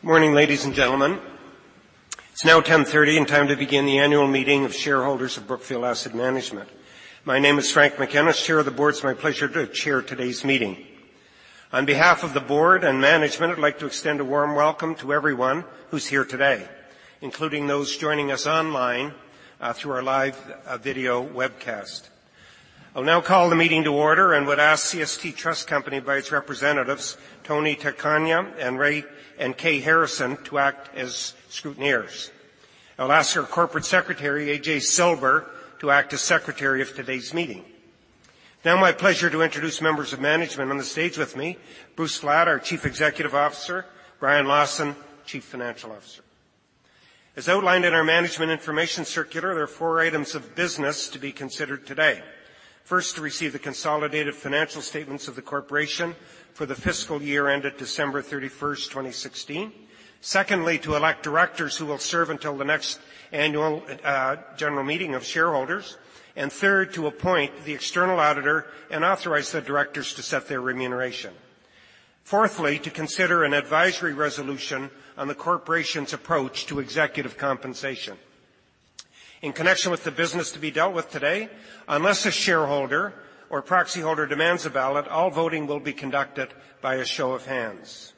Morning, ladies and gentlemen. It's now 10:30 and time to begin the annual meeting of shareholders of Brookfield Asset Management. My name is Frank McKenna, Chair of the Board. It's my pleasure to chair today's meeting. On behalf of the Board and management, I'd like to extend a warm welcome to everyone who's here today, including those joining us online through our live video webcast. I'll now call the meeting to order and would ask CST Trust Company by its representatives, Tony Pagano and Kay Harrison, to act as scrutineers. I'll ask our Corporate Secretary, A.J. Silber, to act as secretary of today's meeting. Now my pleasure to introduce members of management on the stage with me. Bruce Flatt, our Chief Executive Officer, Brian Lawson, Chief Financial Officer. As outlined in our Management Information Circular, there are four items of business to be considered today. First, to receive the consolidated financial statements of the corporation for the fiscal year ended December 31st, 2016. Secondly, to elect directors who will serve until the next annual general meeting of shareholders. Third, to appoint the external auditor and authorize said directors to set their remuneration. Fourthly, to consider an advisory resolution on the corporation's approach to executive compensation. In connection with the business to be dealt with today, unless a shareholder or proxy holder demands a ballot, all voting will be conducted by a show of hands.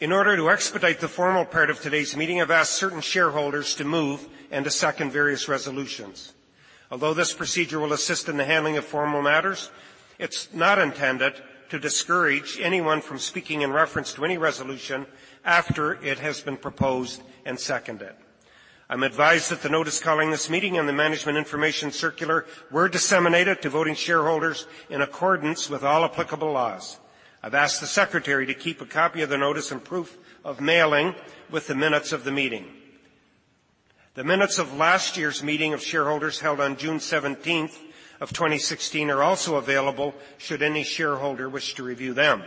In order to expedite the formal part of today's meeting, I've asked certain shareholders to move and to second various resolutions. Although this procedure will assist in the handling of formal matters, it's not intended to discourage anyone from speaking in reference to any resolution after it has been proposed and seconded. I'm advised that the notice calling this meeting and the Management Information Circular were disseminated to voting shareholders in accordance with all applicable laws. I've asked the secretary to keep a copy of the notice and proof of mailing with the minutes of the meeting. The minutes of last year's meeting of shareholders held on June 17th of 2016 are also available should any shareholder wish to review them.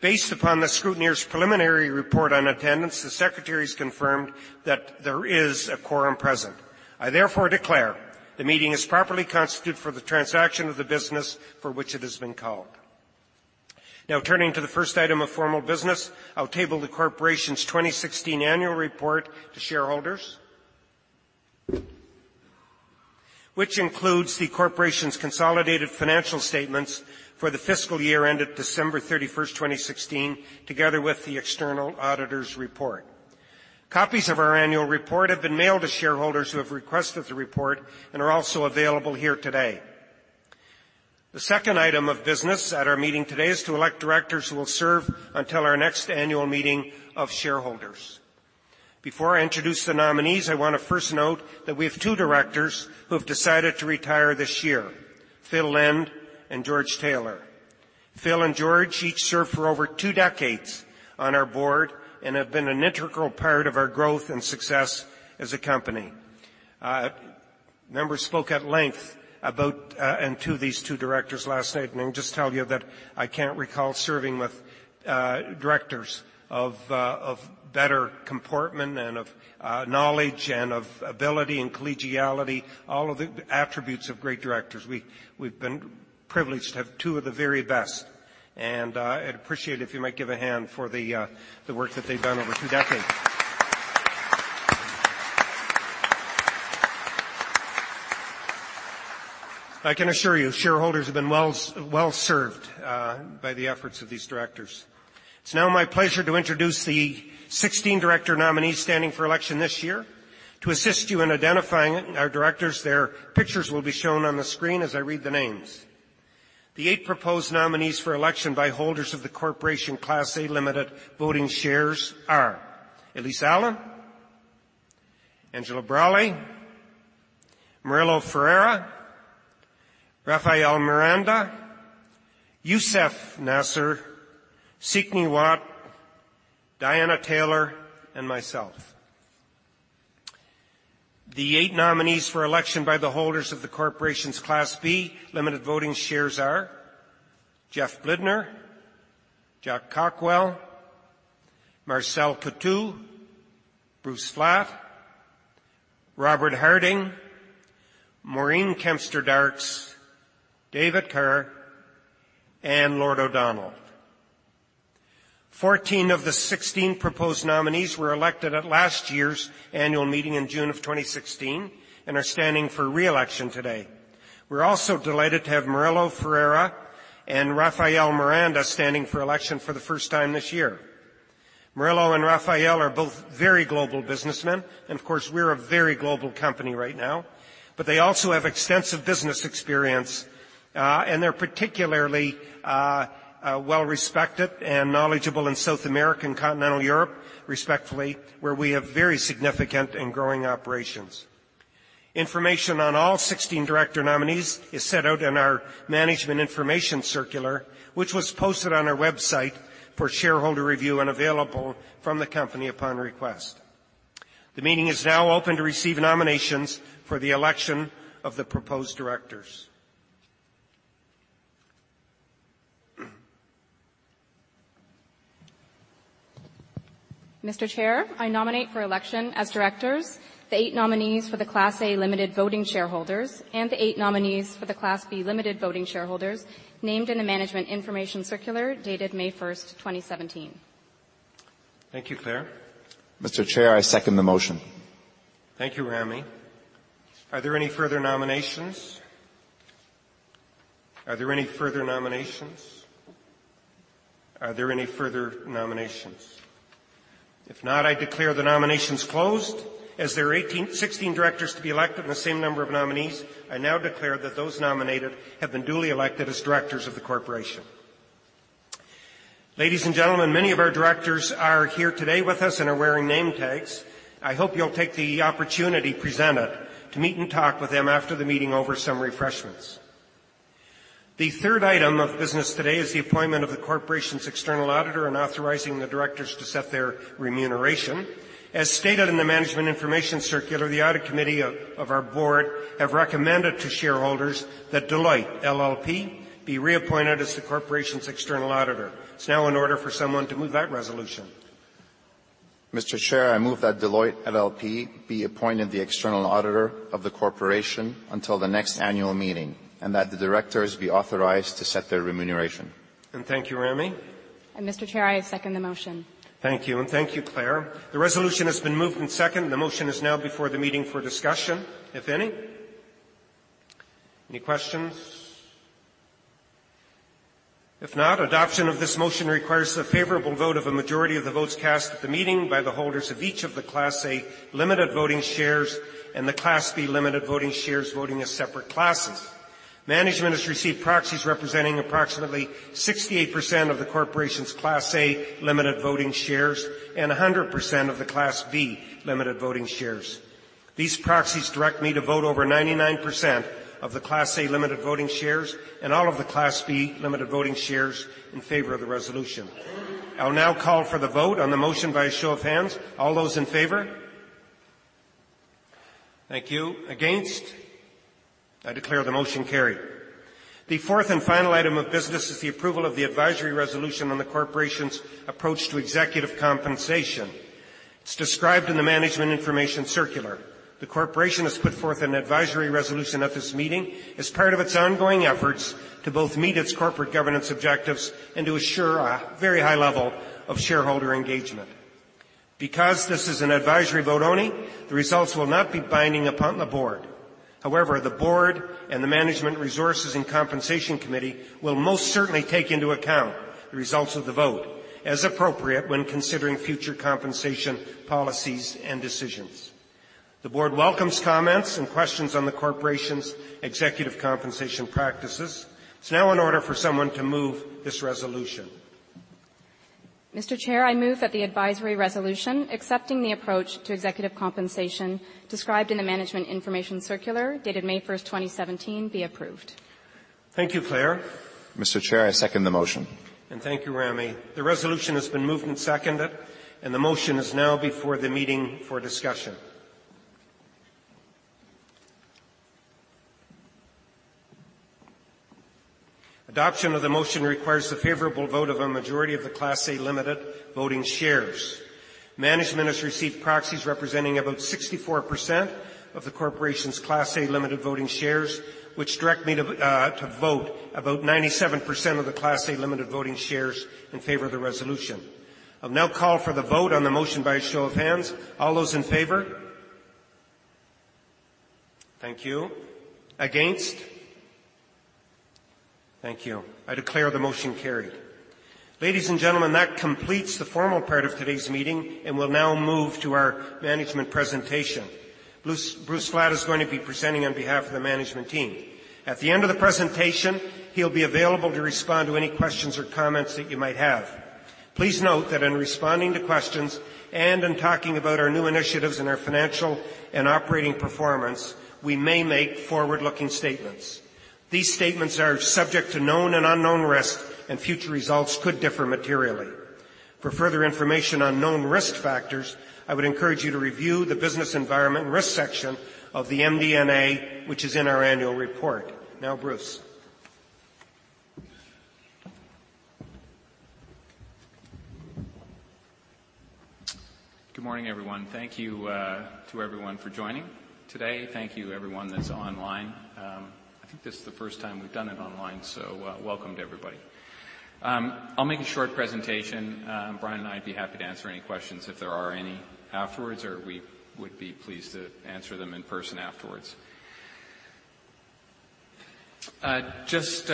Based upon the scrutineer's preliminary report on attendance, the secretary has confirmed that there is a quorum present. I therefore declare the meeting is properly constituted for the transaction of the business for which it has been called. Turning to the first item of formal business, I'll table the corporation's 2016 annual report to shareholders, which includes the corporation's consolidated financial statements for the fiscal year ended December 31st, 2016, together with the external auditor's report. Copies of our annual report have been mailed to shareholders who have requested the report and are also available here today. The second item of business at our meeting today is to elect directors who will serve until our next annual meeting of shareholders. Before I introduce the nominees, I want to first note that we have two directors who have decided to retire this year, Phil Lind and George Taylor. Phil and George each served for over two decades on our Board and have been an integral part of our growth and success as a company. Members spoke at length about and to these two directors last night, let me just tell you that I can't recall serving with directors of better comportment and of knowledge and of ability and collegiality, all of the attributes of great directors. We've been privileged to have 2 of the very best, I'd appreciate it if you might give a hand for the work that they've done over 2 decades. I can assure you, shareholders have been well served by the efforts of these directors. It's now my pleasure to introduce the 16 director nominees standing for election this year. To assist you in identifying our directors, their pictures will be shown on the screen as I read the names. The 8 proposed nominees for election by holders of the corporation Class A limited voting shares are Elyse Allan, Angela Braly, Murilo Ferreira, Rafael Miranda, Youssef Nasr, Seek Ngee Huat, Diana Taylor, and myself. The 8 nominees for election by the holders of the corporation's Class B limited voting shares are Jeff Blidner, Jack Cockwell, Marcel Coutu, Bruce Flatt, Robert Harding, Maureen Kempston Darkes, David Kerr, and Lord O'Donnell. 14 of the 16 proposed nominees were elected at last year's annual meeting in June of 2016 and are standing for re-election today. We're also delighted to have Murilo Ferreira and Rafael Miranda standing for election for the first time this year. Murilo and Rafael are both very global businessmen, and of course, we're a very global company right now, but they also have extensive business experience, and they're particularly well respected and knowledgeable in South America and continental Europe, respectively, where we have very significant and growing operations. Information on all 16 director nominees is set out in our Management Information Circular, which was posted on our website for shareholder review and available from the company upon request. The meeting is now open to receive nominations for the election of the proposed directors. Mr. Chair, I nominate for election as directors the 8 nominees for the Class A limited voting shareholders and the 8 nominees for the Class B limited voting shareholders named in the Management Information Circular dated May 1st, 2017. Thank you, Claire. Mr. Chair, I second the motion. Thank you, Ramy. Are there any further nominations? Are there any further nominations? Are there any further nominations? If not, I declare the nominations closed. As there are 16 directors to be elected and the same number of nominees, I now declare that those nominated have been duly elected as directors of the corporation. Ladies and gentlemen, many of our directors are here today with us and are wearing name tags. I hope you'll take the opportunity presented to meet and talk with them after the meeting over some refreshments. The third item of business today is the appointment of the corporation's external auditor and authorizing the directors to set their remuneration. As stated in the Management Information Circular, the audit committee of our board have recommended to shareholders that Deloitte LLP be reappointed as the corporation's external auditor. It's now in order for someone to move that resolution. Mr. Chair, I move that Deloitte LLP be appointed the external auditor of the corporation until the next annual meeting, and that the directors be authorized to set their remuneration. Thank you, Ramy. Mr. Chair, I second the motion. Thank you. Thank you, Claire. The resolution has been moved and seconded. The motion is now before the meeting for discussion, if any. Any questions? If not, adoption of this motion requires the favorable vote of a majority of the votes cast at the meeting by the holders of each of the Class A limited voting shares and the Class B limited voting shares voting as separate classes. Management has received proxies representing approximately 68% of the corporation's Class A limited voting shares and 100% of the Class B limited voting shares. These proxies direct me to vote over 99% of the Class A limited voting shares and all of the Class B limited voting shares in favor of the resolution. I will now call for the vote on the motion by a show of hands. All those in favor? Thank you. Against? I declare the motion carried. The fourth and final item of business is the approval of the advisory resolution on the corporation's approach to executive compensation. It's described in the Management Information Circular. The corporation has put forth an advisory resolution at this meeting as part of its ongoing efforts to both meet its corporate governance objectives and to assure a very high level of shareholder engagement. Because this is an advisory vote only, the results will not be binding upon the board. However, the board and the management resources and compensation committee will most certainly take into account the results of the vote as appropriate when considering future compensation policies and decisions. The board welcomes comments and questions on the corporation's executive compensation practices. It's now in order for someone to move this resolution. Mr. Chair, I move that the advisory resolution accepting the approach to executive compensation described in the Management Information Circular, dated May 1st, 2017, be approved. Thank you, Claire. Mr. Chair, I second the motion. Thank you, Ramy. The resolution has been moved and seconded, and the motion is now before the meeting for discussion. Adoption of the motion requires the favorable vote of a majority of the Class A limited voting shares. Management has received proxies representing about 64% of the corporation's Class A limited voting shares, which direct me to vote about 97% of the Class A limited voting shares in favor of the resolution. I will now call for the vote on the motion by a show of hands. All those in favor? Thank you. Against? Thank you. I declare the motion carried. Ladies and gentlemen, that completes the formal part of today's meeting, and we'll now move to our management presentation. Bruce Flatt is going to be presenting on behalf of the management team. At the end of the presentation, he'll be available to respond to any questions or comments that you might have. Please note that in responding to questions and in talking about our new initiatives and our financial and operating performance, we may make forward-looking statements. These statements are subject to known and unknown risks, and future results could differ materially. For further information on known risk factors, I would encourage you to review the Business Environment and Risk section of the MD&A, which is in our annual report. Now, Bruce. Good morning, everyone. Thank you to everyone for joining today. Thank you everyone that's online. I think this is the first time we've done it online, so welcome to everybody. I'll make a short presentation. Brian and I'd be happy to answer any questions if there are any afterwards, or we would be pleased to answer them in person afterwards. Just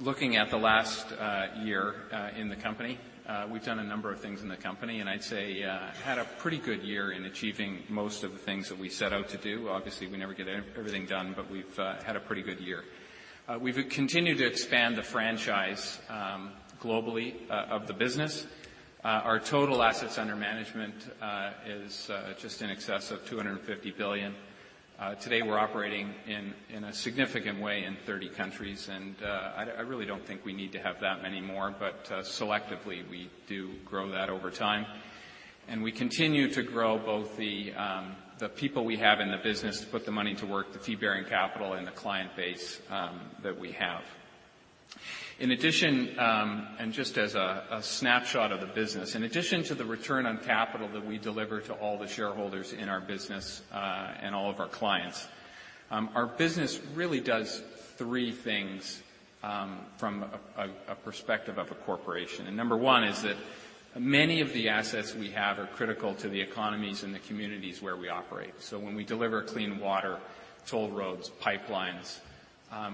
looking at the last year in the company, we've done a number of things in the company, and I'd say had a pretty good year in achieving most of the things that we set out to do. Obviously, we never get everything done, but we've had a pretty good year. We've continued to expand the franchise globally of the business. Our total assets under management is just in excess of $250 billion. Today, we're operating in a significant way in 30 countries, and I really don't think we need to have that many more. Selectively, we do grow that over time. We continue to grow both the people we have in the business to put the money to work, the fee-bearing capital, and the client base that we have. In addition, and just as a snapshot of the business, in addition to the return on capital that we deliver to all the shareholders in our business, and all of our clients, our business really does three things from a perspective of a corporation. Number one is that many of the assets we have are critical to the economies and the communities where we operate. When we deliver clean water, toll roads, pipelines,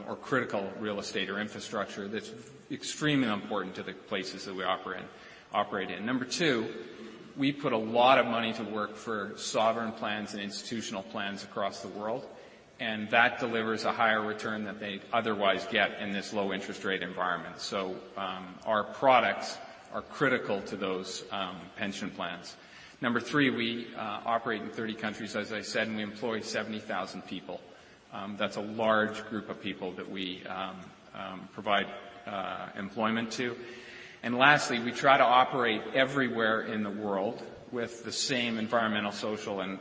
or critical real estate or infrastructure, that's extremely important to the places that we operate in. Number two, we put a lot of money to work for sovereign plans and institutional plans across the world, and that delivers a higher return than they'd otherwise get in this low interest rate environment. Our products are critical to those pension plans. Number three, we operate in 30 countries, as I said, and we employ 70,000 people. That's a large group of people that we provide employment to. Lastly, we try to operate everywhere in the world with the same environmental, social, and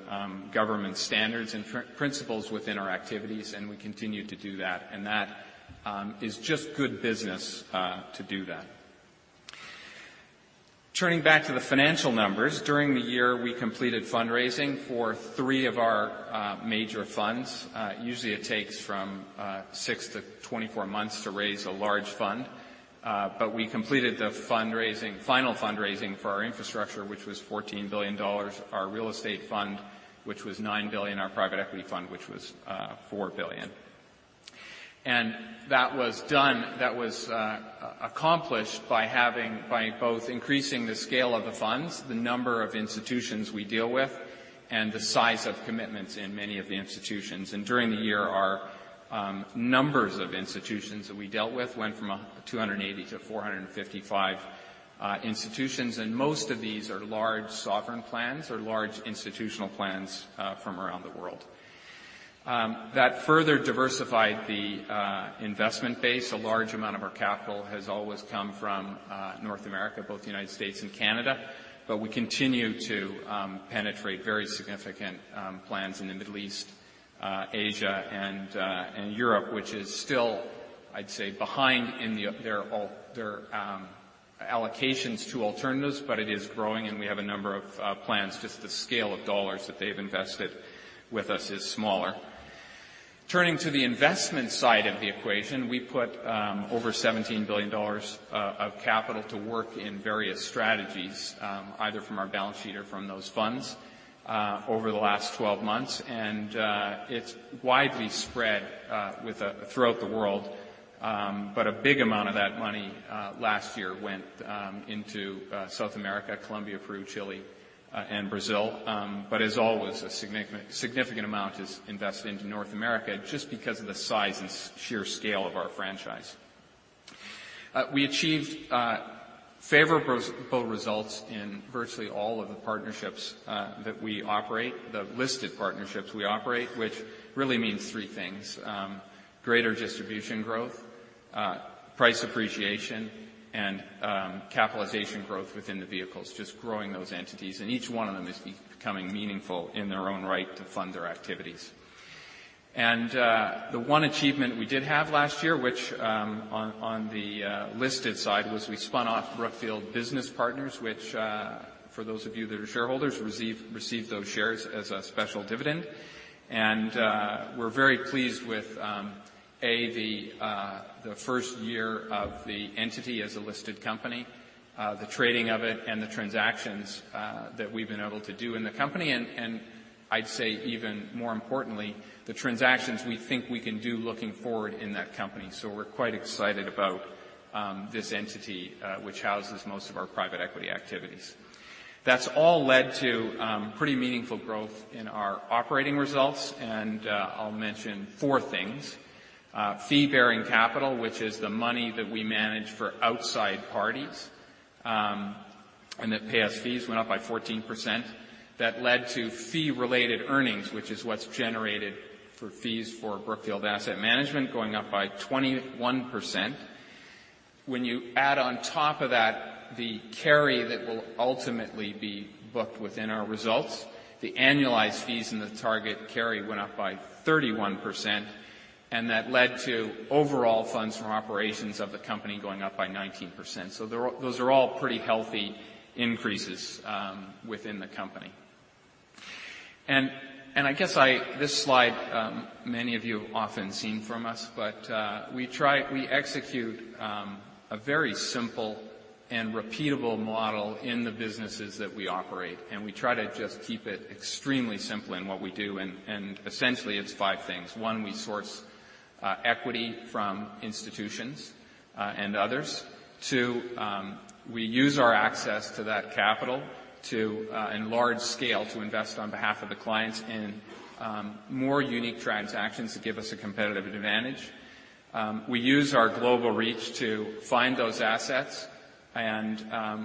government standards and principles within our activities, and we continue to do that. That is just good business to do that. Turning back to the financial numbers, during the year, we completed fundraising for three of our major funds. Usually, it takes from six to 24 months to raise a large fund. We completed the final fundraising for our infrastructure, which was $14 billion, our real estate fund, which was $9 billion, our private equity fund, which was $4 billion. That was accomplished by both increasing the scale of the funds, the number of institutions we deal with, and the size of commitments in many of the institutions. During the year, our numbers of institutions that we dealt with went from 280 to 455 institutions, and most of these are large sovereign plans or large institutional plans from around the world. That further diversified the investment base. A large amount of our capital has always come from North America, both the United States and Canada, but we continue to penetrate very significant plans in the Middle East, Asia, and Europe, which is still, I'd say, behind in their allocations to alternatives, but it is growing, and we have a number of plans. Just the scale of dollars that they've invested with us is smaller. Turning to the investment side of the equation, we put over $17 billion of capital to work in various strategies, either from our balance sheet or from those funds, over the last 12 months. It's widely spread throughout the world. A big amount of that money last year went into South America, Colombia, Peru, Chile, and Brazil. As always, a significant amount is invested into North America just because of the size and sheer scale of our franchise. We achieved favorable results in virtually all of the partnerships that we operate, the listed partnerships we operate, which really means three things. Greater distribution growth, price appreciation, and capitalization growth within the vehicles, just growing those entities. Each one of them is becoming meaningful in their own right to fund their activities. The one achievement we did have last year, which on the listed side, was we spun off Brookfield Business Partners, which, for those of you that are shareholders, received those shares as a special dividend. We're very pleased with, A, the first year of the entity as a listed company, the trading of it, and the transactions that we've been able to do in the company, and I'd say even more importantly, the transactions we think we can do looking forward in that company. We're quite excited about this entity, which houses most of our private equity activities. That's all led to pretty meaningful growth in our operating results, and I'll mention four things. Fee-bearing capital, which is the money that we manage for outside parties, and that pay us fees, went up by 14%. That led to fee-related earnings, which is what's generated for fees for Brookfield Asset Management, going up by 21%. When you add on top of that the carry that will ultimately be booked within our results, the annualized fees and the target carry went up by 31%, and that led to overall funds from operations of the company going up by 19%. Those are all pretty healthy increases within the company. I guess this slide, many of you have often seen from us, we execute a very simple and repeatable model in the businesses that we operate, we try to just keep it extremely simple in what we do. Essentially, it's five things. One, we source equity from institutions and others. Two, we use our access to that capital in large scale to invest on behalf of the clients in more unique transactions that give us a competitive advantage. We use our global reach to find those assets,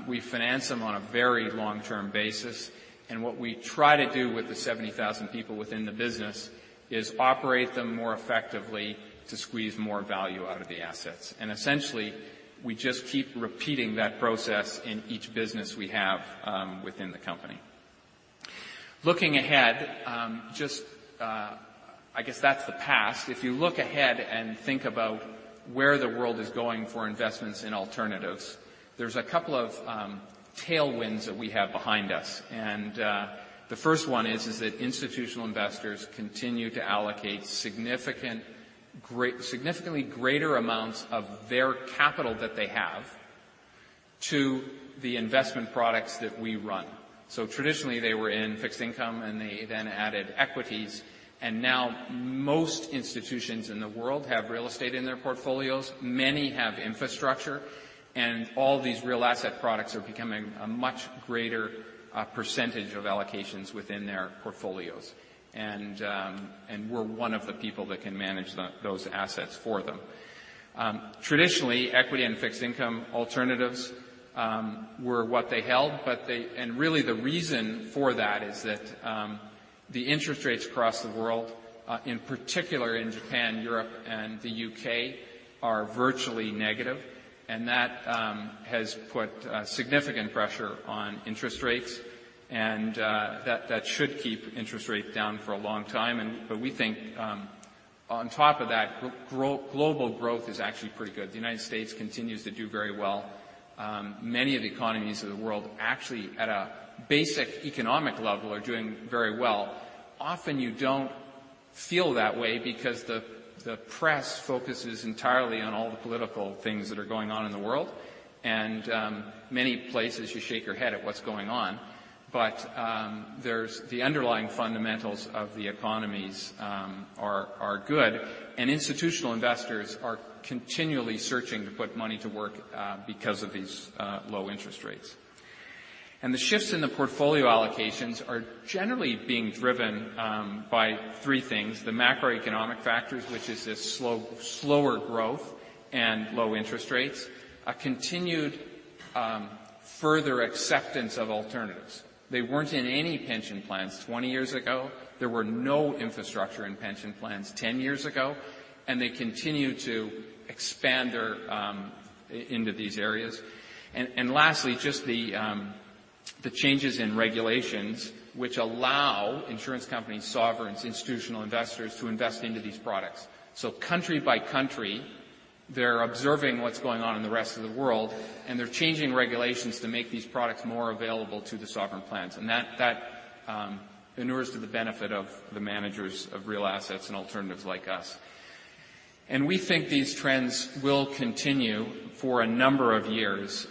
we finance them on a very long-term basis. What we try to do with the 70,000 people within the business is operate them more effectively to squeeze more value out of the assets. Essentially, we just keep repeating that process in each business we have within the company. Looking ahead, I guess that's the past. If you look ahead and think about where the world is going for investments in alternatives, there's a couple of tailwinds that we have behind us. The first one is that institutional investors continue to allocate significantly greater amounts of their capital that they have to the investment products that we run. Traditionally, they were in fixed income, they then added equities, and now most institutions in the world have real estate in their portfolios. Many have infrastructure, and all these real asset products are becoming a much greater percentage of allocations within their portfolios. We're one of the people that can manage those assets for them. Traditionally, equity and fixed income alternatives were what they held. Really the reason for that is that the interest rates across the world, in particular in Japan, Europe, and the U.K., are virtually negative. That has put significant pressure on interest rates, and that should keep interest rates down for a long time. We think on top of that, global growth is actually pretty good. The United States continues to do very well. Many of the economies of the world actually at a basic economic level are doing very well. Often you don't feel that way because the press focuses entirely on all the political things that are going on in the world. Many places you shake your head at what's going on. The underlying fundamentals of the economies are good, institutional investors are continually searching to put money to work because of these low interest rates. The shifts in the portfolio allocations are generally being driven by three things, the macroeconomic factors, which is this slower growth and low interest rates, a continued further acceptance of alternatives. They weren't in any pension plans 20 years ago. There were no infrastructure and pension plans 10 years ago, and they continue to expand into these areas. Lastly, just the changes in regulations which allow insurance companies, sovereigns, institutional investors to invest into these products. Country by country, they're observing what's going on in the rest of the world, and they're changing regulations to make these products more available to the sovereign plans. That inures to the benefit of the managers of real assets and alternatives like us. We think these trends will continue for a number of years,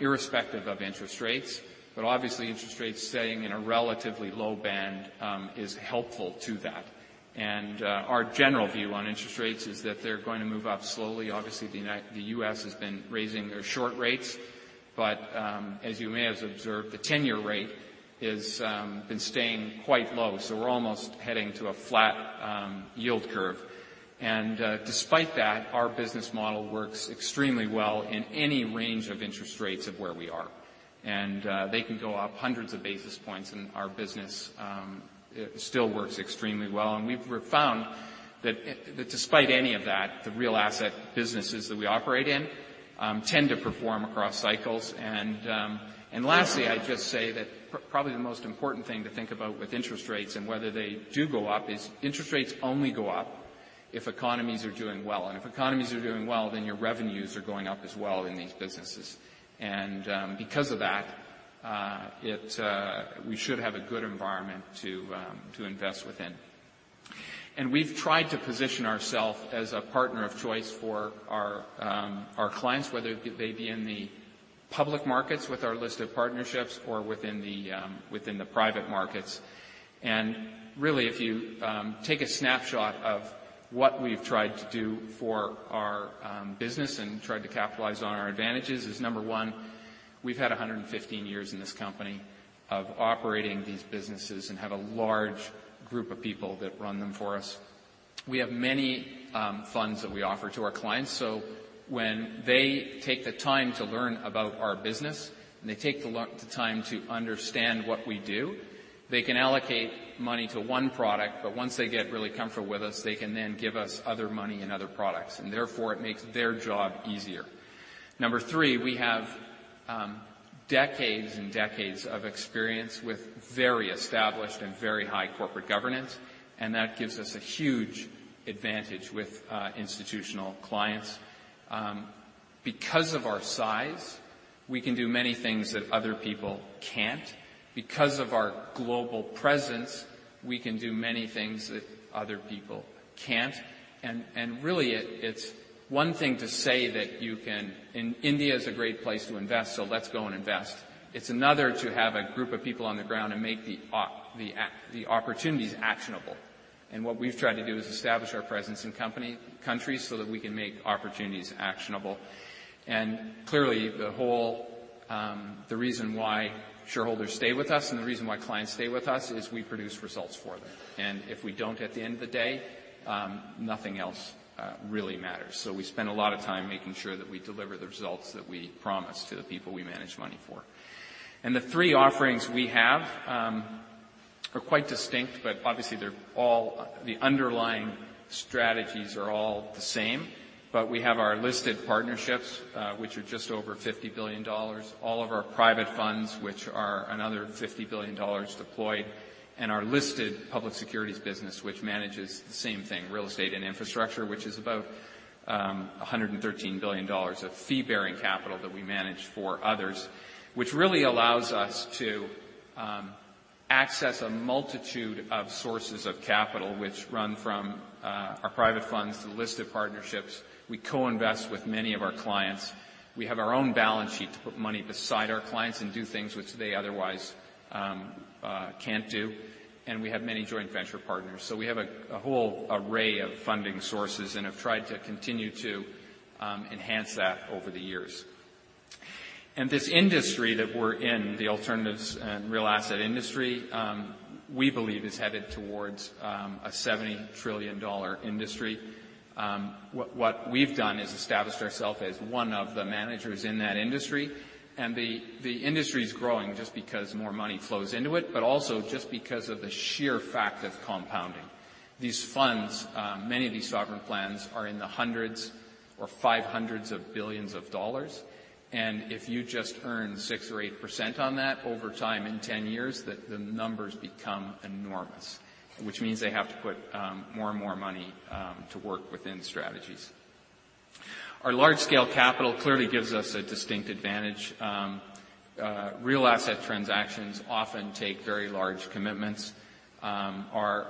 irrespective of interest rates. Obviously, interest rates staying in a relatively low band is helpful to that. Our general view on interest rates is that they're going to move up slowly. Obviously, the U.S. has been raising their short rates, as you may have observed, the 10-year rate has been staying quite low, we're almost heading to a flat yield curve. Despite that, our business model works extremely well in any range of interest rates of where we are. They can go up hundreds of basis points and our business still works extremely well. We've found that despite any of that, the real asset businesses that we operate in tend to perform across cycles. Lastly, I'd just say that probably the most important thing to think about with interest rates and whether they do go up is interest rates only go up if economies are doing well. If economies are doing well, your revenues are going up as well in these businesses. Because of that, we should have a good environment to invest within. We've tried to position ourself as a partner of choice for our clients, whether they be in the public markets with our listed partnerships or within the private markets. Really, if you take a snapshot of what we've tried to do for our business and tried to capitalize on our advantages is number 1, we've had 115 years in this company of operating these businesses and have a large group of people that run them for us. We have many funds that we offer to our clients. When they take the time to learn about our business, they take the time to understand what we do, they can allocate money to one product, but once they get really comfortable with us, they can then give us other money and other products. Therefore, it makes their job easier. Number 3, we have decades and decades of experience with very established and very high corporate governance. That gives us a huge advantage with institutional clients. Because of our size, we can do many things that other people can't. Because of our global presence, we can do many things that other people can't. Really, it's one thing to say that India is a great place to invest, let's go and invest. It's another to have a group of people on the ground and make the opportunities actionable. What we've tried to do is establish our presence in countries so that we can make opportunities actionable. Clearly, the reason why shareholders stay with us and the reason why clients stay with us is we produce results for them. If we don't at the end of the day, nothing else really matters. We spend a lot of time making sure that we deliver the results that we promise to the people we manage money for. The three offerings we have are quite distinct, but obviously, the underlying strategies are all the same. We have our listed partnerships, which are just over $50 billion. All of our private funds, which are another $50 billion deployed, and our listed public securities business, which manages the same thing, real estate and infrastructure, which is about $113 billion of fee-bearing capital that we manage for others. Which really allows us to access a multitude of sources of capital, which run from our private funds to listed partnerships. We co-invest with many of our clients. We have our own balance sheet to put money beside our clients and do things which they otherwise can't do. We have many joint venture partners. We have a whole array of funding sources and have tried to continue to enhance that over the years. This industry that we're in, the alternatives and real asset industry, we believe is headed towards a $70 trillion industry. What we've done is established ourselves as one of the managers in that industry. The industry is growing just because more money flows into it, but also just because of the sheer fact of compounding. These funds, many of these sovereign plans are in the hundreds or 500s of billions of dollars. If you just earn 6% or 8% on that over time in 10 years, the numbers become enormous, which means they have to put more and more money to work within strategies. Our large-scale capital clearly gives us a distinct advantage. Real asset transactions often take very large commitments. Our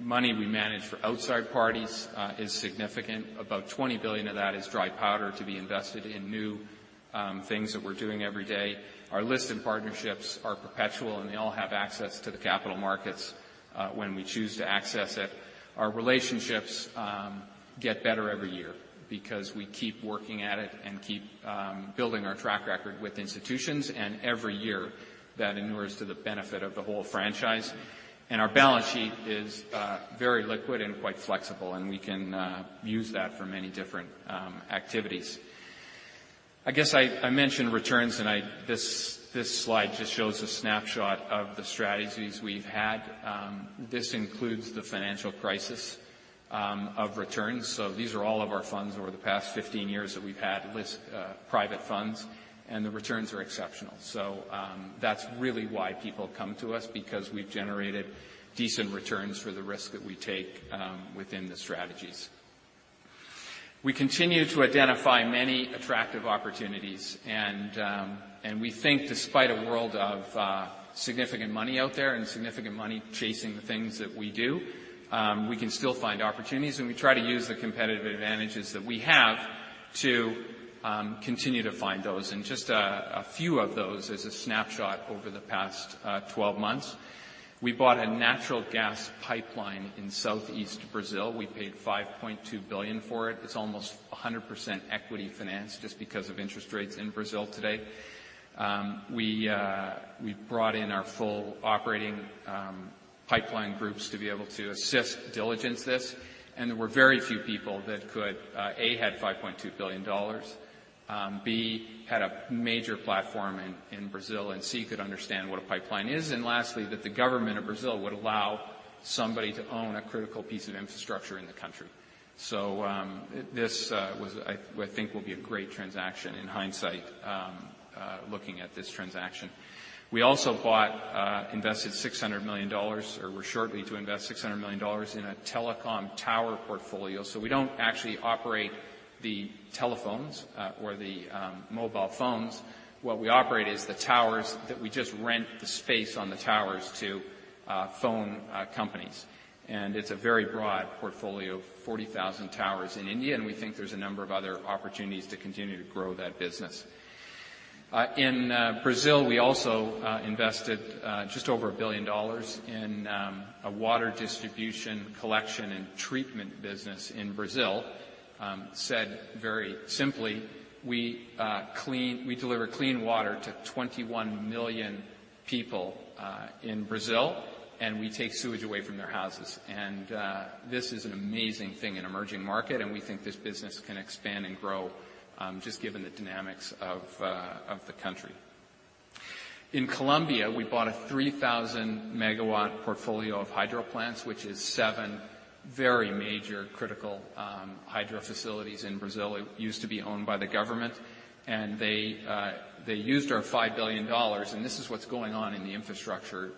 money we manage for outside parties is significant. About $20 billion of that is dry powder to be invested in new things that we're doing every day. Our listed partnerships are perpetual, and they all have access to the capital markets when we choose to access it. Our relationships get better every year because we keep working at it and keep building our track record with institutions, every year that inures to the benefit of the whole franchise. Our balance sheet is very liquid and quite flexible, and we can use that for many different activities. I guess I mentioned returns, this slide just shows a snapshot of the strategies we've had. This includes the financial crisis of returns. These are all of our funds over the past 15 years that we've had list private funds, and the returns are exceptional. That's really why people come to us because we've generated decent returns for the risk that we take within the strategies. We continue to identify many attractive opportunities, we think despite a world of significant money out there and significant money chasing the things that we do, we can still find opportunities, we try to use the competitive advantages that we have to continue to find those. Just a few of those as a snapshot over the past 12 months. We bought a natural gas pipeline in southeast Brazil. We paid $5.2 billion for it. It's almost 100% equity financed just because of interest rates in Brazil today. We brought in our full operating pipeline groups to be able to assist diligence this, and there were very few people that could, A, had $5.2 billion, B, had a major platform in Brazil, and C, could understand what a pipeline is, and lastly, that the government of Brazil would allow somebody to own a critical piece of infrastructure in the country. This, I think will be a great transaction in hindsight, looking at this transaction. We also invested $600 million, or we're shortly to invest $600 million in a telecom tower portfolio. We don't actually operate the telephones or the mobile phones. What we operate is the towers that we just rent the space on the towers to phone companies. It's a very broad portfolio of 40,000 towers in India, we think there's a number of other opportunities to continue to grow that business. In Brazil, we also invested just over $1 billion in a water distribution collection and treatment business in Brazil. Said very simply, we deliver clean water to 21 million people in Brazil, and we take sewage away from their houses. This is an amazing thing in emerging market, and we think this business can expand and grow just given the dynamics of the country. In Colombia, we bought a 3,000-megawatt portfolio of hydro plants, which is 7 very major critical hydro facilities in Brazil. It used to be owned by the government. They used our $5 billion. This is what's going on in the infrastructure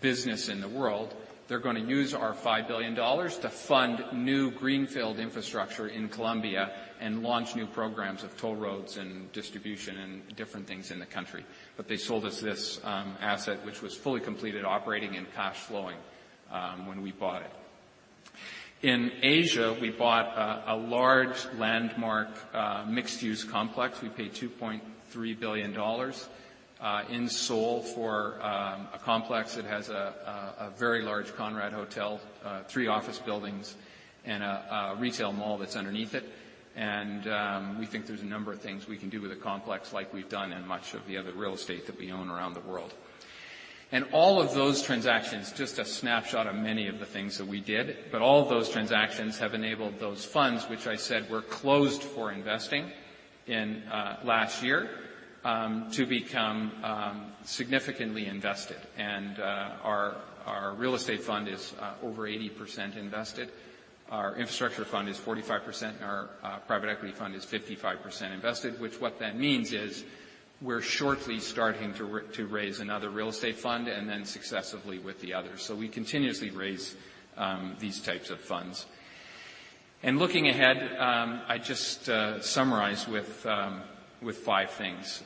business in the world. They're going to use our $5 billion to fund new greenfield infrastructure in Colombia and launch new programs of toll roads and distribution and different things in the country. They sold us this asset, which was fully completed operating and cash flowing when we bought it. In Asia, we bought a large landmark mixed-use complex. We paid $2.3 billion in Seoul for a complex that has a very large Conrad hotel, three office buildings, and a retail mall that's underneath it. We think there's a number of things we can do with the complex like we've done in much of the other real estate that we own around the world. All of those transactions, just a snapshot of many of the things that we did, but all of those transactions have enabled those funds, which I said were closed for investing in last year to become significantly invested. Our real estate fund is over 80% invested. Our infrastructure fund is 45%, and our private equity fund is 55% invested. Which what that means is we're shortly starting to raise another real estate fund and then successively with the others. We continuously raise these types of funds. Looking ahead, I just summarize with five things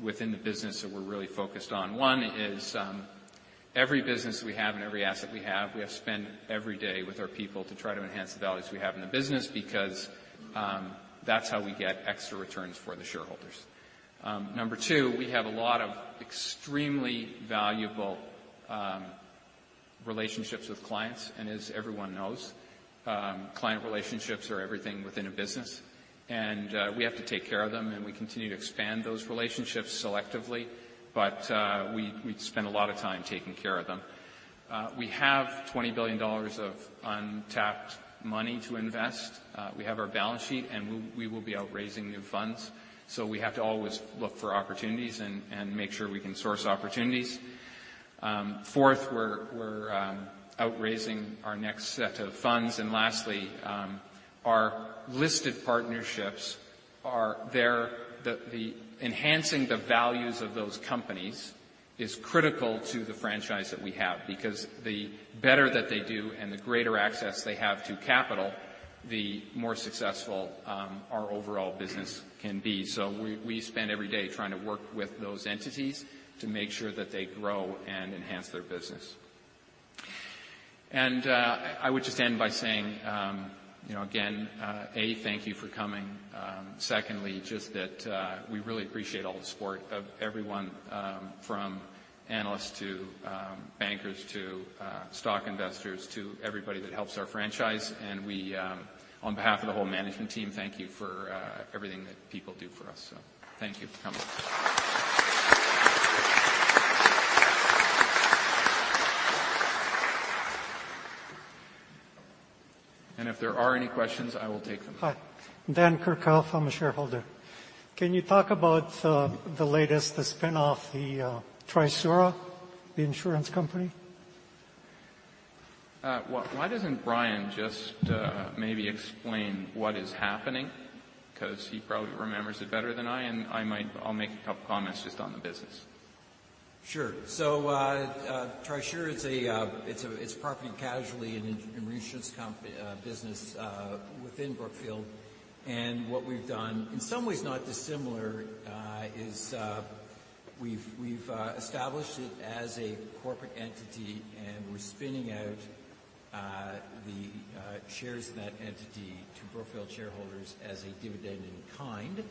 within the business that we're really focused on. One, every business we have and every asset we have, we have spent every day with our people to try to enhance the values we have in the business because that's how we get extra returns for the shareholders. Number two, we have a lot of extremely valuable relationships with clients, and as everyone knows, client relationships are everything within a business. We have to take care of them, and we continue to expand those relationships selectively. We spend a lot of time taking care of them. We have $20 billion of untapped money to invest. We have our balance sheet, we will be out raising new funds. We have to always look for opportunities and make sure we can source opportunities. Fourth, we're out raising our next set of funds. Lastly, our listed partnerships, enhancing the values of those companies is critical to the franchise that we have because the better that they do and the greater access they have to capital, the more successful our overall business can be. We spend every day trying to work with those entities to make sure that they grow and enhance their business. I would just end by saying again, A, thank you for coming. Secondly, just that we really appreciate all the support of everyone from analysts to bankers to stock investors to everybody that helps our franchise. We, on behalf of the whole management team, thank you for everything that people do for us. Thank you for coming. If there are any questions, I will take them. Hi. Dan Kurkoff. I'm a shareholder. Can you talk about the latest, the spinoff, the Trisura, the insurance company? Why doesn't Brian just maybe explain what is happening? He probably remembers it better than I'll make a couple comments just on the business. Sure. Trisura, it's a property and casualty and reinsurance business within Brookfield. What we've done, in some ways not dissimilar, is we've established it as a corporate entity, we're spinning out the shares in that entity to Brookfield shareholders as a dividend in kind.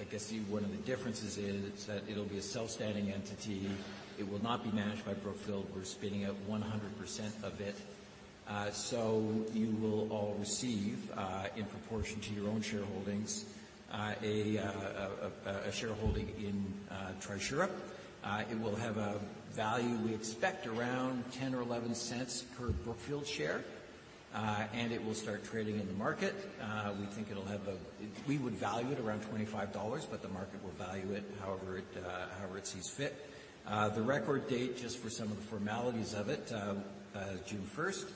I guess one of the differences is that it'll be a self-standing entity. It will not be managed by Brookfield. We're spinning out 100% of it. You will all receive, in proportion to your own shareholdings, a shareholding in Trisura. It will have a value we expect around $0.10 or $0.11 per Brookfield share. It will start trading in the market. We would value it around $25, but the market will value it however it sees fit. The record date, just for some of the formalities of it, June 1st.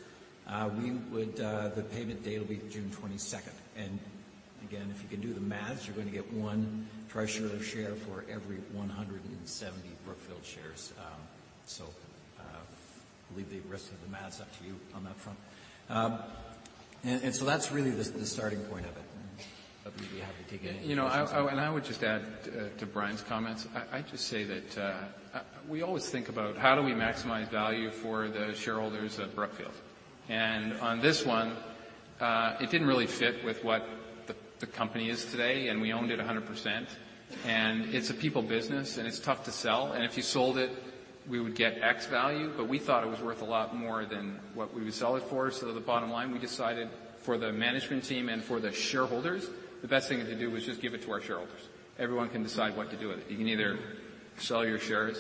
The payment date will be June 22nd. If you can do the math, you're going to get one Trisura share for every 170 Brookfield shares. I'll leave the rest of the math up to you on that front. That's really the starting point of it. We'd be happy to take any questions. I would just add to Brian's comments. I'd just say that we always think about how do we maximize value for the shareholders of Brookfield. On this one, it didn't really fit with what the company is today, we owned it 100%. It's a people business, it's tough to sell. If you sold it, we would get X value, but we thought it was worth a lot more than what we would sell it for. The bottom line, we decided for the management team and for the shareholders, the best thing to do was just give it to our shareholders. Everyone can decide what to do with it. You can either sell your shares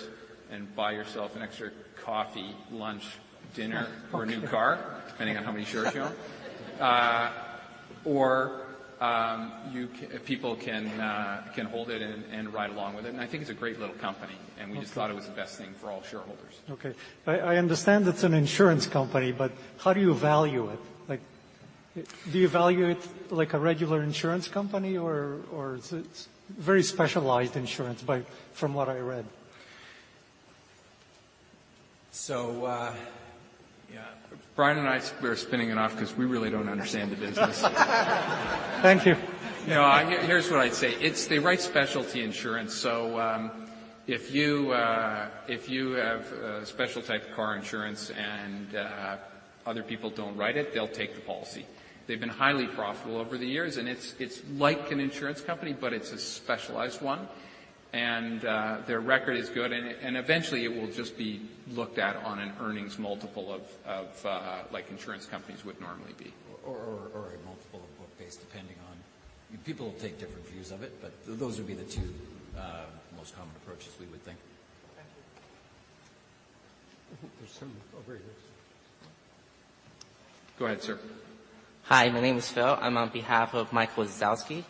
and buy yourself an extra coffee, lunch, dinner, or a new car, depending on how many shares you own. People can hold it and ride along with it. I think it's a great little company, we just thought it was the best thing for all shareholders. Okay. I understand it's an insurance company, but how do you value it? Do you value it like a regular insurance company, or it's very specialized insurance from what I read. Yeah. Brian and I, we're spinning it off because we really don't understand the business. Thank you. No, here's what I'd say. They write specialty insurance. If you have a special type of car insurance and other people don't write it, they'll take the policy. They've been highly profitable over the years, and it's like an insurance company, but it's a specialized one. Their record is good. Eventually, it will just be looked at on an earnings multiple of like insurance companies would normally be. A multiple of book basis. People will take different views of it, but those would be the two most common approaches we would think. I think there's someone over here. Go ahead, sir. Hi, my name is Phil. I'm on behalf of Mike Wazowski.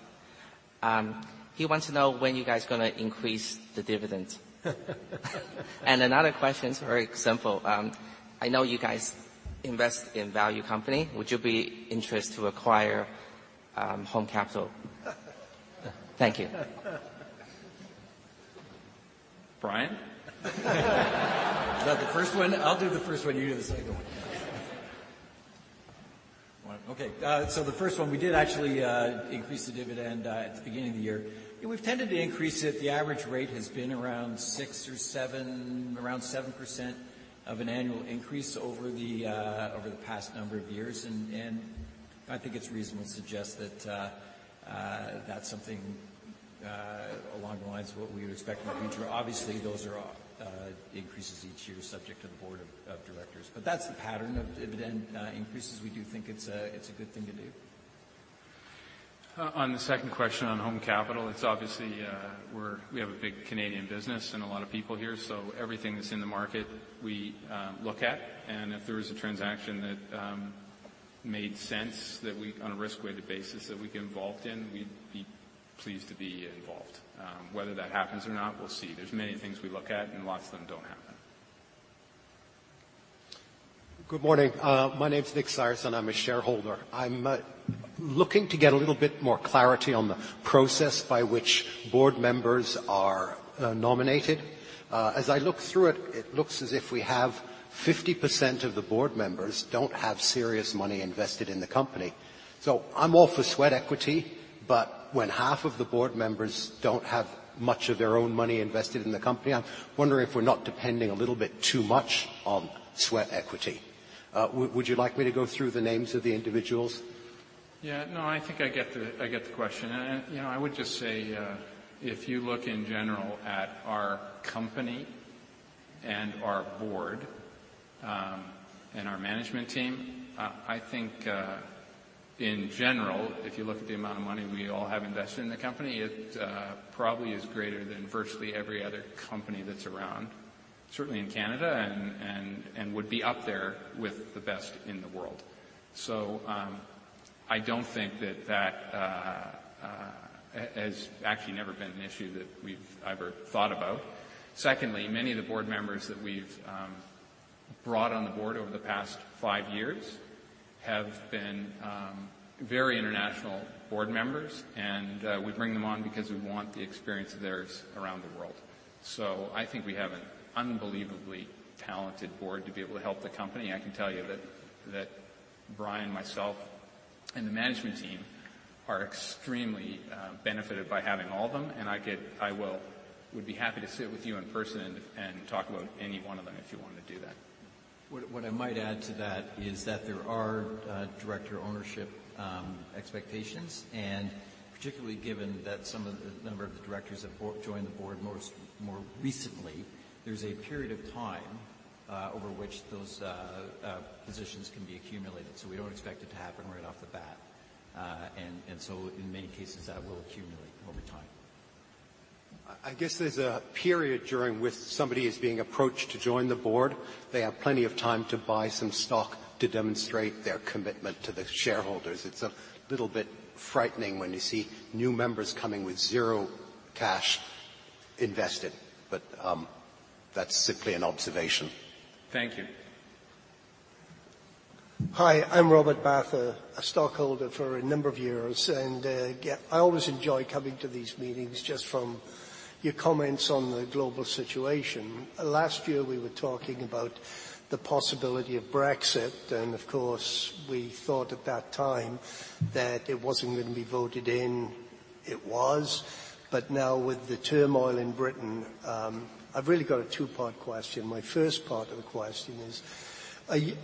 He wants to know when you guys are going to increase the dividend. Another question is very simple. I know you guys invest in value company. Would you be interested to acquire Home Capital? Thank you. Brian? You want the first one? I'll do the first one, you do the second one. Okay. The first one, we did actually increase the dividend at the beginning of the year. We've tended to increase it. The average rate has been around six or seven, around 7% of an annual increase over the past number of years. I think it's reasonable to suggest that's something along the lines of what we would expect in the future. Obviously, those are increases each year subject to the board of directors. That's the pattern of dividend increases. We do think it's a good thing to do. On the second question on Home Capital, it's obviously we have a big Canadian business and a lot of people here. Everything that's in the market we look at, and if there is a transaction that made sense on a risk-weighted basis that we get involved in, we'd be pleased to be involved. Whether that happens or not, we'll see. There's many things we look at. Lots of them don't happen. Good morning. My name's Nick Cyrus, and I'm a shareholder. I'm looking to get a little bit more clarity on the process by which board members are nominated. As I look through it looks as if we have 50% of the board members don't have serious money invested in the company. I'm all for sweat equity, but when half of the board members don't have much of their own money invested in the company, I'm wondering if we're not depending a little bit too much on sweat equity. Would you like me to go through the names of the individuals? No, I think I get the question. I would just say, if you look in general at our company and our board and our management team, I think, in general, if you look at the amount of money we all have invested in the company, it probably is greater than virtually every other company that's around, certainly in Canada, and would be up there with the best in the world. I don't think that has actually never been an issue that we've ever thought about. Secondly, many of the board members that we've brought on the board over the past five years have been very international board members, and we bring them on because we want the experience of theirs around the world. I think we have an unbelievably talented board to be able to help the company. I can tell you that Brian, myself, and the management team are extremely benefited by having all of them, and I would be happy to sit with you in person and talk about any one of them if you wanted to do that. What I might add to that is that there are director ownership expectations, and particularly given that a number of the directors have joined the board more recently, there's a period of time over which those positions can be accumulated. We don't expect it to happen right off the bat. In many cases, that will accumulate over time. I guess there's a period during which somebody is being approached to join the board. They have plenty of time to buy some stock to demonstrate their commitment to the shareholders. It's a little bit frightening when you see new members coming with 0 cash invested, but that's simply an observation. Thank you. Hi, I'm Robert Batha, a stockholder for a number of years. I always enjoy coming to these meetings just from your comments on the global situation. Last year, we were talking about the possibility of Brexit, and of course, we thought at that time that it wasn't going to be voted in. It was. Now with the turmoil in Britain, I've really got a two-part question. My first part of the question is,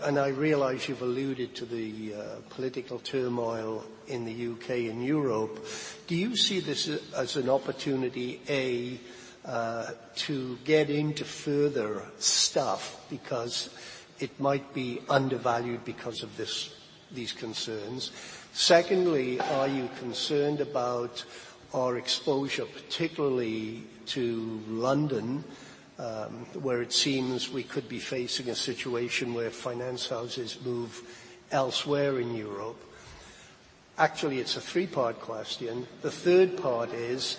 and I realize you've alluded to the political turmoil in the U.K. and Europe, do you see this as an opportunity, A, to get into further stuff because it might be undervalued because of these concerns? Secondly, are you concerned about our exposure, particularly to London, where it seems we could be facing a situation where finance houses move elsewhere in Europe? Actually, it's a three-part question. The third part is,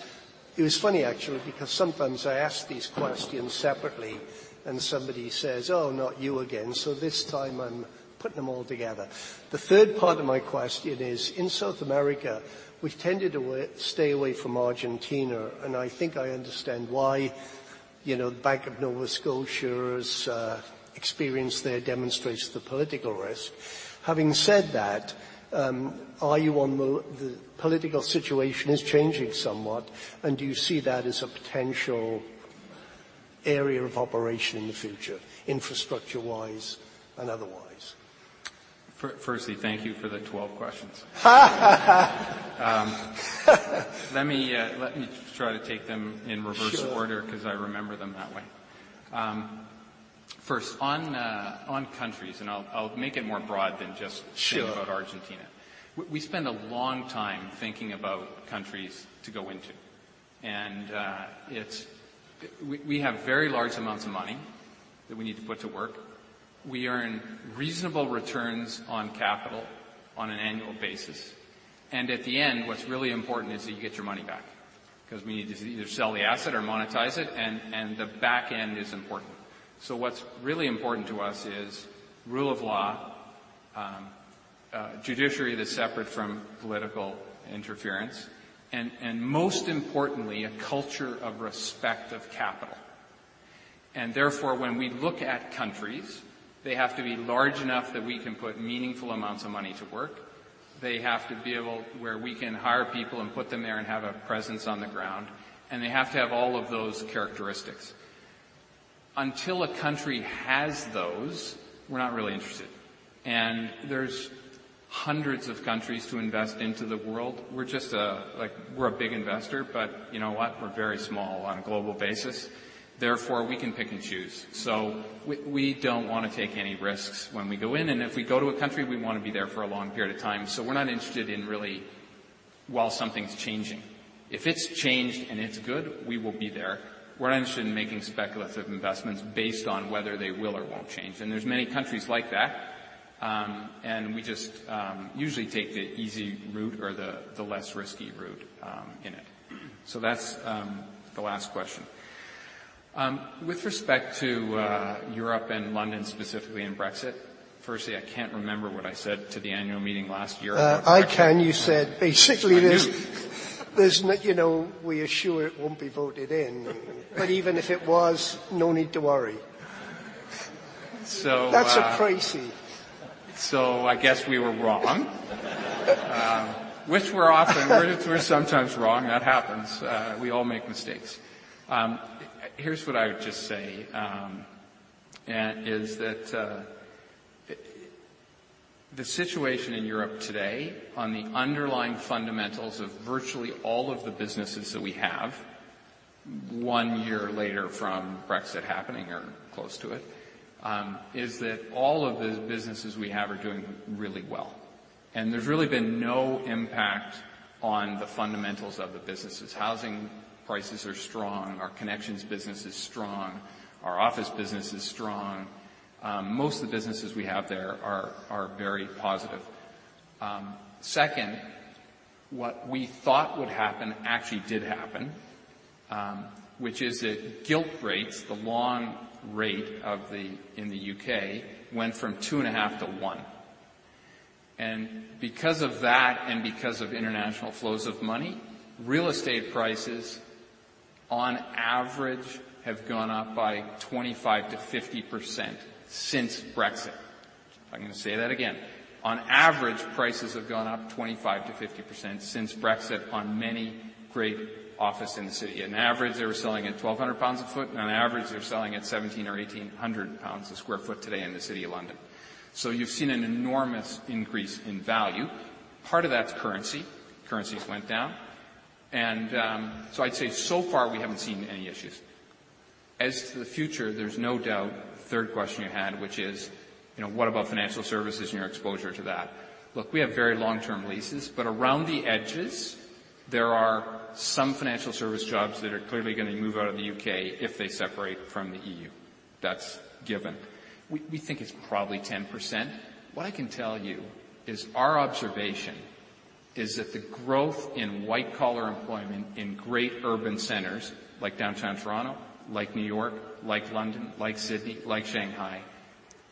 it was funny actually, because sometimes I ask these questions separately and somebody says, "Oh, not you again." This time I'm putting them all together. The third part of my question is, in South America, we've tended to stay away from Argentina, and I think I understand why. Bank of Nova Scotia's experience there demonstrates the political risk. Having said that, the political situation is changing somewhat, and do you see that as a potential area of operation in the future, infrastructure-wise and otherwise? Thank you for the 12 questions. Let me try to take them in reverse order. Sure I remember them that way. First, on. On countries, I'll make it more broad than just. Sure talking about Argentina. We spend a long time thinking about countries to go into, and we have very large amounts of money that we need to put to work. We earn reasonable returns on capital on an annual basis. At the end, what's really important is that you get your money back because we need to either sell the asset or monetize it, and the back end is important. What's really important to us is rule of law, judiciary that's separate from political interference, and most importantly, a culture of respect of capital. Therefore, when we look at countries, they have to be large enough that we can put meaningful amounts of money to work. They have to be able where we can hire people and put them there and have a presence on the ground, and they have to have all of those characteristics. Until a country has those, we're not really interested. There's hundreds of countries to invest into the world. We're a big investor, but you know what? We're very small on a global basis, therefore, we can pick and choose. We don't want to take any risks when we go in. If we go to a country, we want to be there for a long period of time. We're not interested in really while something's changing. If it's changed and it's good, we will be there. We're not interested in making speculative investments based on whether they will or won't change. There's many countries like that, and we just usually take the easy route or the less risky route in it. That's the last question. With respect to Europe and London specifically and Brexit, firstly, I can't remember what I said to the Annual Meeting last year about Brexit. I can. You said basically this. I knew we assure it won't be voted in. Even if it was, no need to worry. So- That's a crazy. I guess we were wrong. We're sometimes wrong. That happens. We all make mistakes. Here's what I would just say is that the situation in Europe today on the underlying fundamentals of virtually all of the businesses that we have, one year later from Brexit happening or close to it, is that all of the businesses we have are doing really well. There's really been no impact on the fundamentals of the businesses. Housing prices are strong. Our connections business is strong. Our office business is strong. Most of the businesses we have there are very positive. Second, what we thought would happen actually did happen, which is that gilt rates, the long rate in the U.K., went from 2.5 to one. Because of that and because of international flows of money, real estate prices on average have gone up by 25%-50% since Brexit. I'm going to say that again. On average, prices have gone up 25%-50% since Brexit on many great office in the city. On average, they were selling at 1,200 pounds a foot. On average, they're selling at 1,700 or 1,800 pounds a square foot today in the city of London. You've seen an enormous increase in value. Part of that's currency. Currencies went down. I'd say so far, we haven't seen any issues. As to the future, there's no doubt, third question you had, which is what about financial services and your exposure to that? Look, we have very long-term leases, but around the edges, there are some financial service jobs that are clearly going to move out of the U.K. if they separate from the EU. That's given. We think it's probably 10%. What I can tell you is our observation is that the growth in white-collar employment in great urban centers like downtown Toronto, like New York, like London, like Sydney, like Shanghai,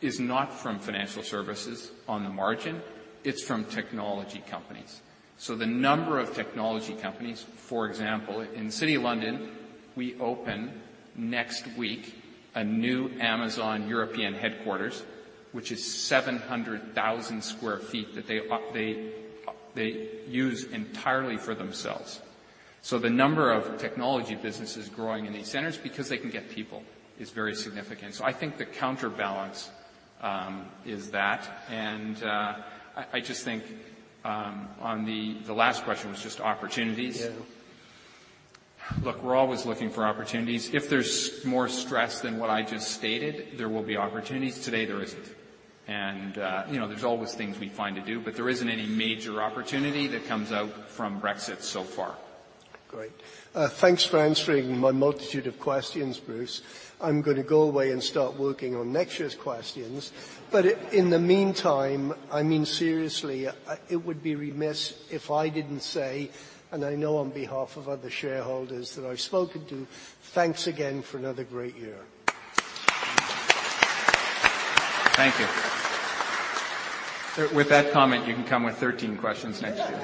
is not from financial services on the margin. It's from technology companies. The number of technology companies, for example, in the city of London, we open next week a new Amazon European headquarters, which is 700,000 square feet that they use entirely for themselves. The number of technology businesses growing in these centers because they can get people is very significant. I think the counterbalance is that. I just think the last question was just opportunities. Yeah. Look, we're always looking for opportunities. If there's more stress than what I just stated, there will be opportunities. Today, there isn't. There's always things we find to do, but there isn't any major opportunity that comes out from Brexit so far. Great. Thanks for answering my multitude of questions, Bruce. I'm going to go away and start working on next year's questions. In the meantime, I mean, seriously, it would be remiss if I didn't say, I know on behalf of other shareholders that I've spoken to, thanks again for another great year. Thank you. With that comment, you can come with 13 questions next year.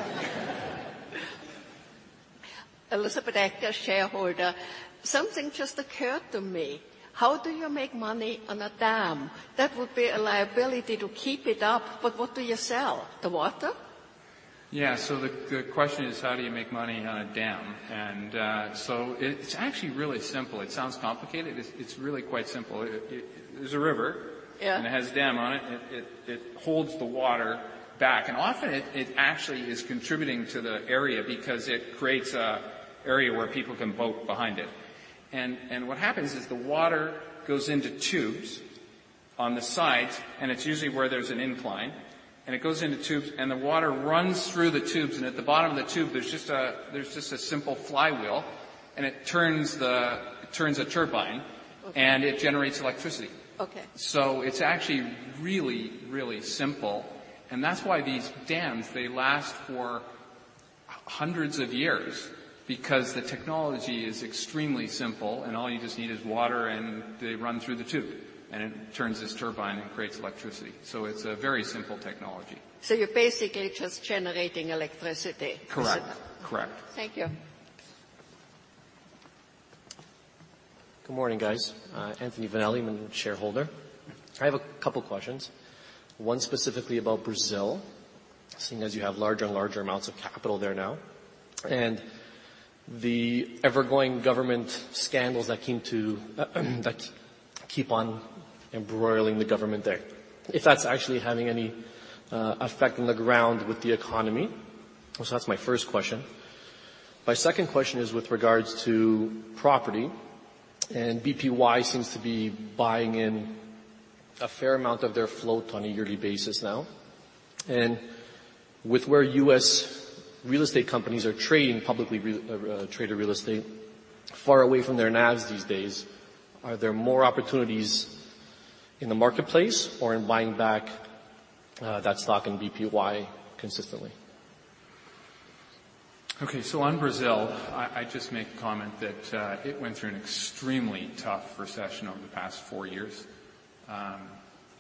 Elizabeth Ecker, shareholder. Something just occurred to me. How do you make money on a dam? That would be a liability to keep it up, but what do you sell? The water? Yeah. The question is how do you make money on a dam? It's actually really simple. It sounds complicated. It's really quite simple. There's a river. Yeah. It has a dam on it. It holds the water back. Often it actually is contributing to the area because it creates a area where people can boat behind it. What happens is the water goes into tubes on the sides, and it's usually where there's an incline, and it goes into tubes, and the water runs through the tubes, and at the bottom of the tube, there's just a simple flywheel, and it turns a turbine- Okay It generates electricity. Okay. It's actually really, really simple. That's why these dams, they last for hundreds of years because the technology is extremely simple, and all you just need is water, and they run through the tube. It turns this turbine and creates electricity. It's a very simple technology. You're basically just generating electricity. Correct. Thank you. Good morning, guys. Anthony Vanelli, I'm a shareholder. I have a couple questions, one specifically about Brazil, seeing as you have larger and larger amounts of capital there now, and the ever-going government scandals that keep on embroiling the government there, if that's actually having any effect on the ground with the economy. That's my first question. My second question is with regards to property. BPY seems to be buying in a fair amount of their float on a yearly basis now. With where U.S. real estate companies are trading publicly, traded real estate, far away from their NAVs these days. Are there more opportunities in the marketplace or in buying back that stock in BPY consistently? Okay. On Brazil, I'd just make the comment that it went through an extremely tough recession over the past four years.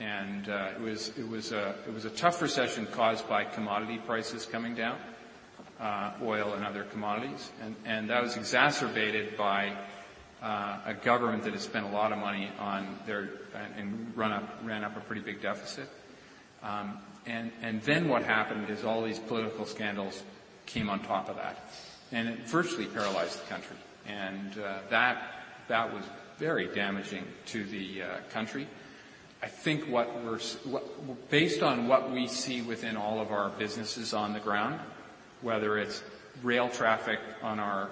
It was a tough recession caused by commodity prices coming down, oil and other commodities. That was exacerbated by a government that has spent a lot of money and ran up a pretty big deficit. Then what happened is all these political scandals came on top of that. It virtually paralyzed the country. That was very damaging to the country. Based on what we see within all of our businesses on the ground, whether it's rail traffic on our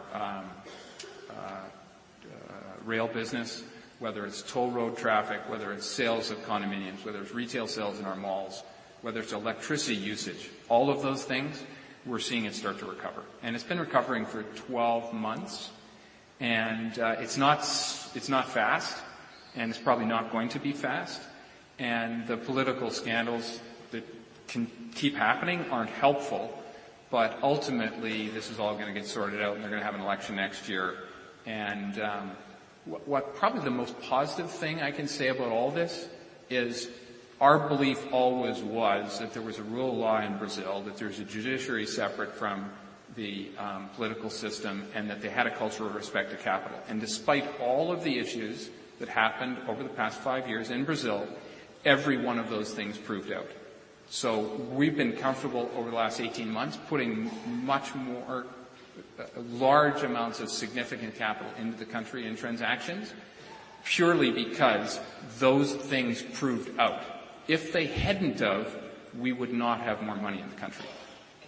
rail business, whether it's toll road traffic, whether it's sales of condominiums, whether it's retail sales in our malls, whether it's electricity usage, all of those things, we're seeing it start to recover. It's been recovering for 12 months. It's not fast, and it's probably not going to be fast. The political scandals that can keep happening aren't helpful. Ultimately, this is all going to get sorted out, and they're going to have an election next year. Probably the most positive thing I can say about all this is our belief always was that there was a rule of law in Brazil, that there's a judiciary separate from the political system, and that they had a culture of respect to capital. Despite all of the issues that happened over the past five years in Brazil, every one of those things proved out. We've been comfortable over the last 18 months putting much more large amounts of significant capital into the country in transactions purely because those things proved out. If they hadn't have, we would not have more money in the country.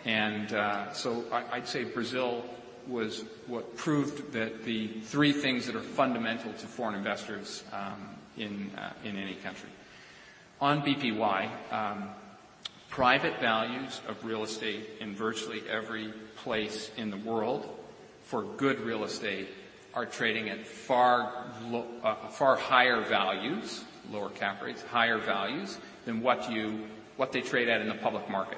I'd say Brazil was what proved that the three things that are fundamental to foreign investors in any country. On BPY, private values of real estate in virtually every place in the world for good real estate are trading at far higher values, lower cap rates, higher values than what they trade at in the public market.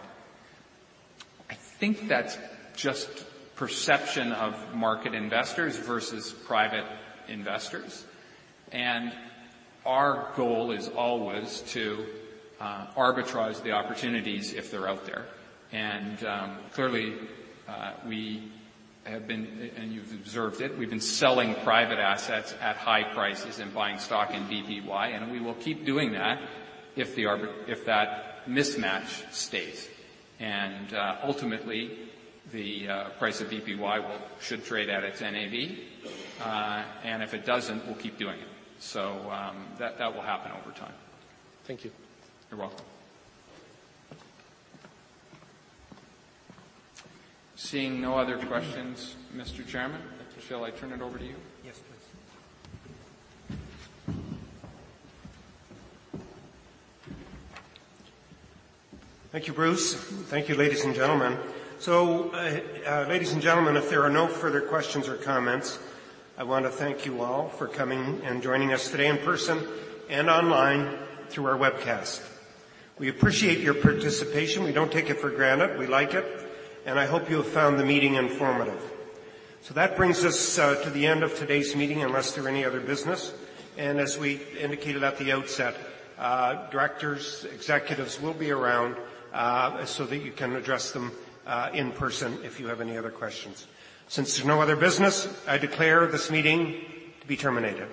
I think that's just perception of market investors versus private investors. Our goal is always to arbitrage the opportunities if they're out there. Clearly, and you've observed it, we've been selling private assets at high prices and buying stock in BPY, and we will keep doing that if that mismatch stays. Ultimately, the price of BPY should trade at its NAV. If it doesn't, we'll keep doing it. That will happen over time. Thank you. You're welcome. Seeing no other questions, Mr. Chairman, shall I turn it over to you? Yes, please. Thank you, Bruce. Thank you, ladies and gentlemen. Ladies and gentlemen, if there are no further questions or comments, I want to thank you all for coming and joining us today in person and online through our webcast. We appreciate your participation. We don't take it for granted. We like it, and I hope you have found the meeting informative. That brings us to the end of today's meeting, unless there are any other business. As we indicated at the outset, directors, executives will be around so that you can address them in person if you have any other questions. Since there's no other business, I declare this meeting to be terminated.